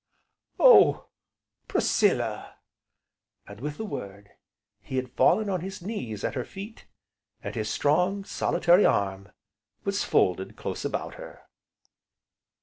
Oh, Priscilla!" And, with the word, he had fallen on his knees at her feet, and his strong, solitary arm was folded close about her.